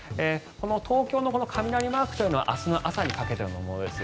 東京の雷マークというのは明日の朝にかけてのものです。